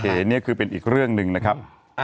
นี่คือเป็นอีกเรื่องหนึ่งนะครับ